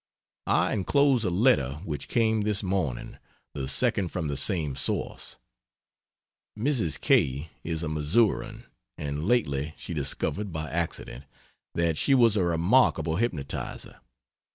I enclose a letter which came this morning the second from the same source. Mrs. K is a Missourian, and lately she discovered, by accident, that she was a remarkable hypnotiser.